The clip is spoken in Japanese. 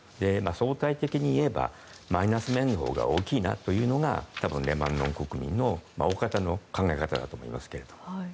相対的に言えばマイナス面のほうが大きいなというのが多分、レバノン国民の大方の考え方だと思います。